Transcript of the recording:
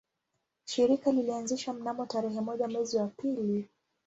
Shirika lilianzishwa mnamo tarehe moja mwezi wa pili